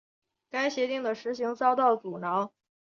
该协定的实行遭到阻挠。